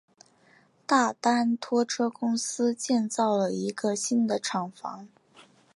大丹拖车公司建造了一个新的厂房。